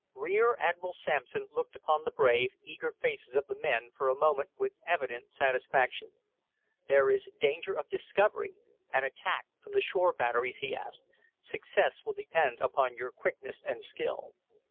Rear Admiral Sampson looked upon the brave, eager faces of the men for a moment with evident satisfaction. "There is danger of discovery, and attack from the shore batteries," he added. "Success will depend upon your quickness and skill."